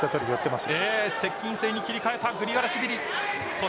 接近戦に切り替えたグリガラシビリ。